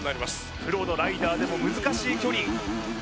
プロのライダーでも難しい距離